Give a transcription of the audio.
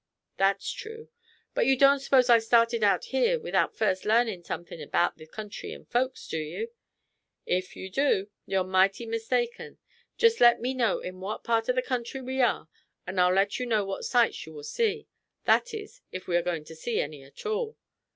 "That's true, but you don't s'pose I started out here without first larning something 'bout the country and folks, do you? If you do, you're mighty mistaken. Just let me know in what part of the country we are, and I'll let you know what sights you will see, that is, if we are going to see any at all.